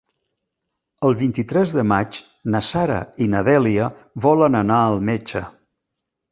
El vint-i-tres de maig na Sara i na Dèlia volen anar al metge.